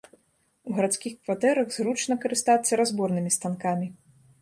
У гарадскіх кватэрах зручна карыстацца разборнымі станкамі.